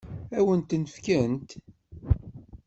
Ad wen-ten-fkent?